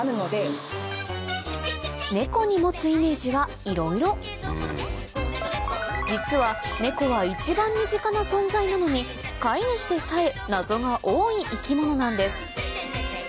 ネコに持つイメージはいろいろ実はネコは一番身近な存在なのに飼い主でさえ謎が多い生き物なんです